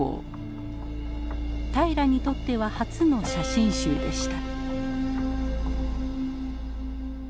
平良にとっては初の写真集でした。